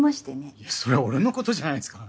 いやそれ俺のことじゃないですか。